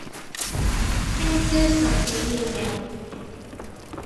聽朝十點要用